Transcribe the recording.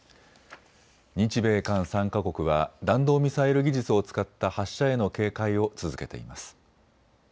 日米韓３か国は弾道ミサイル技術を使った発射への警戒を続けています。